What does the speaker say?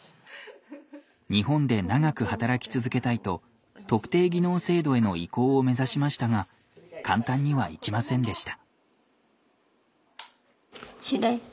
日本で長く働き続けたいと特定技能制度への移行を目指しましたが簡単にはいきませんでした。